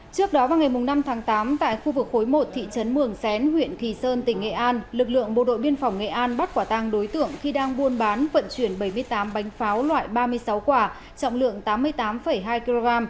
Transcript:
trước đó vào ngày năm tháng tám tại khu vực khối một thị trấn mường xén huyện kỳ sơn tỉnh nghệ an lực lượng bộ đội biên phòng nghệ an bắt quả tăng đối tượng khi đang buôn bán vận chuyển bảy mươi tám bánh pháo loại ba mươi sáu quả trọng lượng tám mươi tám hai kg